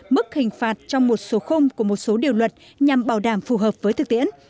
mức hình phạt trong một số khung của một số điều luật nhằm bảo đảm phù hợp với thực tiễn